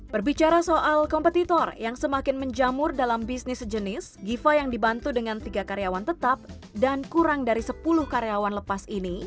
berbicara soal kompetitor yang semakin menjamur dalam bisnis sejenis giva yang dibantu dengan tiga karyawan tetap dan kurang dari sepuluh karyawan lepas ini